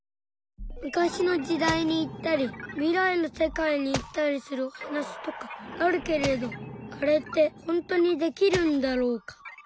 昔の時代に行ったり未来の世界に行ったりするお話とかあるけれどあれってほんとにできるんだろうか。